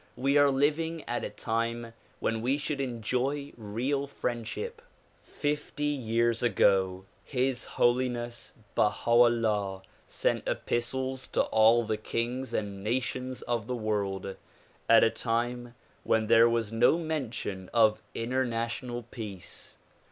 We are living at a time when we should enjoy the real friendship. Fifty years ago His Holiness Baha 'Ullah sent epistles to all the kings and nations of the world, at a time when there was no mention of international peace.